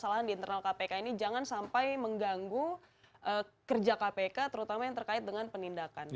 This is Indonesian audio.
masalah di internal kpk ini jangan sampai mengganggu kerja kpk terutama yang terkait dengan penindakan